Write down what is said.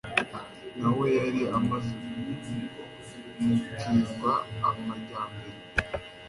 nawe yari amaze guhumukirwa amajyambere